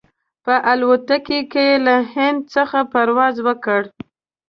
په الوتکه کې یې له هند څخه پرواز وکړ.